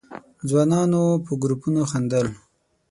ځوانانو په گروپونو خندل.